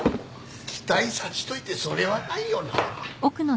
期待させといてそれはないよなぁ。